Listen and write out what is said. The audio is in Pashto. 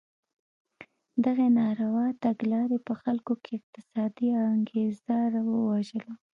دغې ناروا تګلارې په خلکو کې اقتصادي انګېزه ووژله.